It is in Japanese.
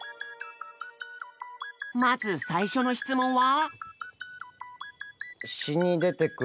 まず最初の質問は？